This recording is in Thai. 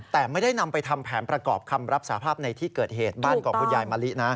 แต่ไม่ได้นำไปทำแผนประกอบคำรับสาภาพในที่เกิดเหตุบ้านของคุณยายมะลินะ